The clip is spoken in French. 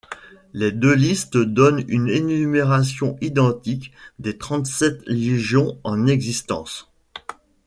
Les deux listes donnent une énumération identique des trente-sept légions en existence.